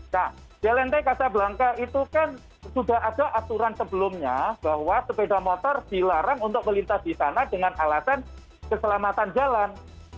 nah di lnt kasablangka itu kan sudah ada aturan sebelumnya bahwa sepeda motor dilarang untuk melintas di sana dengan alasan keselamatan jalan